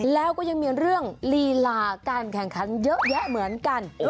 แล้วก็ยังมีเรื่องลีลาการแข่งขันเยอะแยะเหมือนกัน